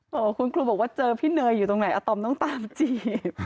โอ้โหคุณครูบอกว่าเจอพี่เนยอยู่ตรงไหนอาตอมต้องตามจีบ